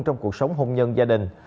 trong cuộc sống hùng nhân gia đình